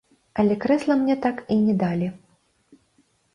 Але крэсла мне так і не далі.